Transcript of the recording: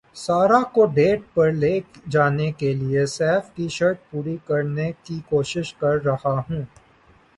سارہ کو ڈیٹ پر لے جانے کیلئے سیف کی شرط پوری کرنے کی کوشش کررہا ہوں